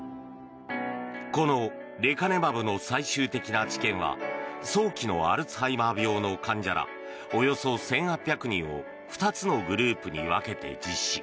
このレカネマブの最終的な治験は早期のアルツハイマー病の患者らおよそ１８００人を２つのグループに分けて実施。